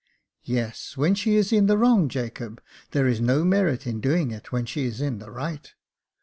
Yes, when she is in the wrong, Jacob 5 there's no merit in doing it when she's in the right."